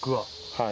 はい。